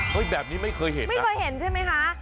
แบบนี้ไม่เคยเห็นไม่เคยเห็นใช่ไหมคะ